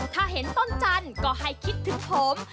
ถ้าเห็นต้นจันทร์ก็ให้คิดถึงผม